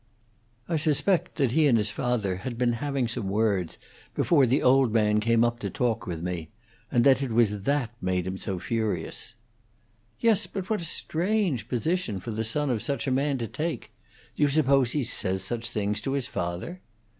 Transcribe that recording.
"I suspect that he and his father had been having some words before the old man came up to talk with me, and that it was that made him so furious." "Yes, but what a strange position for the son of such a man to take! Do you suppose he says such things to his father?"